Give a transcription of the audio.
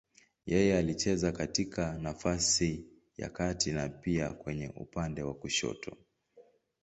Yeye alicheza katika nafasi ya kati na pia kwenye upande wa kushoto.